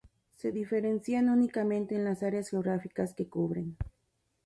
Se diferencian únicamente en las áreas geográficas que cubren.